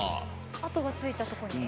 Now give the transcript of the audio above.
跡がついたとこに。